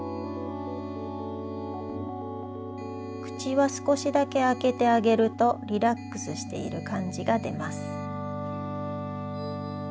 くちはすこしだけあけてあげるとリラックスしているかんじがでます。